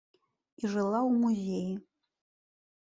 І жыла ў музеі.